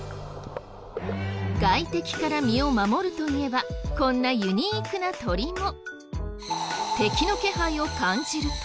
外敵から身を守るといえばこんなユニークな鳥も。